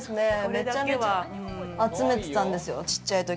めちゃめちゃ集めてたんですよ、ちっちゃい時。